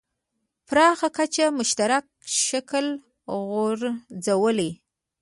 پراخه کچه مشترک شکل غورځولی.